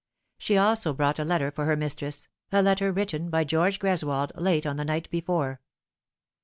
She also brought a letter for her mistress, a letter written by George Greswold late on the night before.